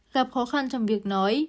gặp khó khăn trong việc nói